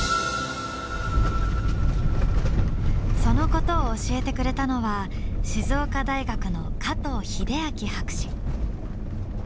そのことを教えてくれたのは静岡大学の加藤英明博士。